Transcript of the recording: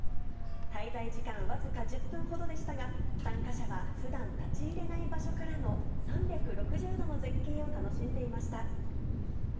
滞在時間僅か１０分ほどでしたが、参加者はふだん、立ち入れない場所からの３６０度の絶景を楽しんでいました。